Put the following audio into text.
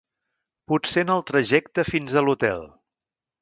Potser en el trajecte fins a l'hotel.